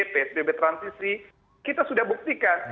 psbb transisi kita sudah buktikan